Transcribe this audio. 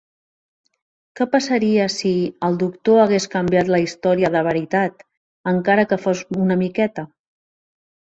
Què passaria si... el Doctor hagués canviat la història de veritat, encara que fos una miqueta?